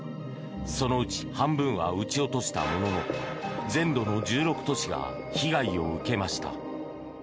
そのうち半分は撃ち落としたものの全土の１６都市が被害を受けました。